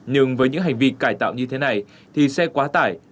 nhưng với những hành vi cải tạo như thế này thì xe quá tải